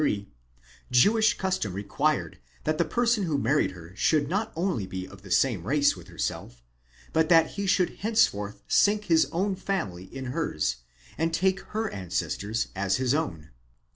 6, and Nehemiah vit 63, Jewish custom required that the person who married her should not only be of the same race with herself, but that he should henceforth sink his own family in hers, and take her ancestors as his own.